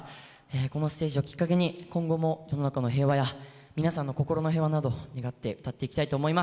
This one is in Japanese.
このステージをきっかけに今後も世の中の平和や皆さんの心の平和などを願って歌っていきたいと思います。